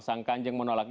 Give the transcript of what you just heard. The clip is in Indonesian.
sang kanjeng menolak